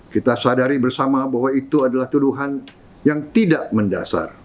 kita sadari bersama bahwa itu adalah tuduhan yang tidak mendasar